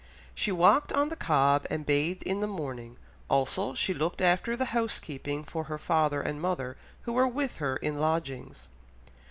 She walked on the Cobb, and bathed in the morning, also she looked after the housekeeping for her father and mother, who were with her in lodgings.